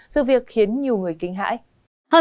sự việc khiến nhiều người kinh hãi